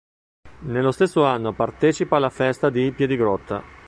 Nello stesso anno partecipa alla Festa di Piedigrotta.